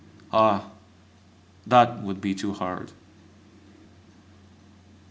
Ah! that would be too hard!